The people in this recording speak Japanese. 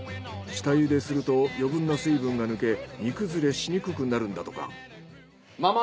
下ゆですると余分な水分が抜け煮崩れしにくくなるんだとか。